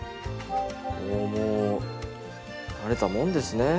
おおもう慣れたもんですね！